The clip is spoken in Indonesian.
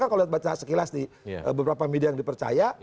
tapi kalau baca sekilas di beberapa media yang dipercaya